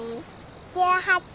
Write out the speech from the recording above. １８。